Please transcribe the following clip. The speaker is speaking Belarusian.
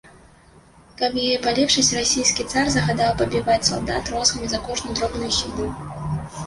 Каб яе палепшыць, расійскі цар загадаў пабіваць салдат розгамі за кожную дробную хібу.